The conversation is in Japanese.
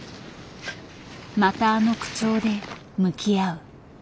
またあの口調で向き合う。